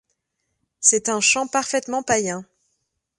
C'est un chant parfaitement païen.